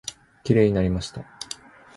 きれいになりました。